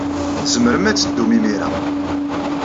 Tzemrem ad teddum imir-a.